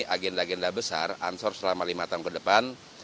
agenda agenda besar ansor selama lima tahun ke depan